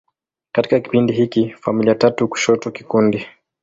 Katika kipindi hiki, familia tatu kushoto kikundi.